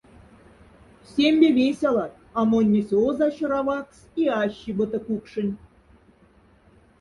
Сембе весялат, а моннесь озай шра ваксс и ащи, бта кукшень.